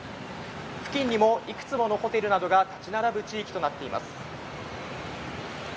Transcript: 付近にもいくつものホテルなどが立ち並ぶ地域となっています。